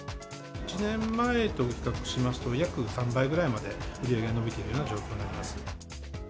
１年前と比較しますと、約３倍ぐらいまで売り上げが伸びているような状況になります。